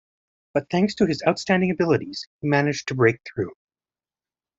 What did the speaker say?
But thanks to his outstanding abilities he managed to break through.